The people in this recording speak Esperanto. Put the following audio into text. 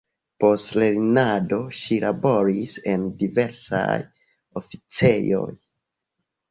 Post lernado ŝi laboris en diversaj oficejoj.